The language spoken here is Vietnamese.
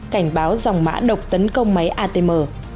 cảnh báo dòng mã độc tấn công máy atm